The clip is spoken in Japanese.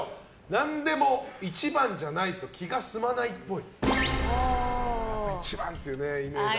なんでも１番じゃないと気が済まないっぽい。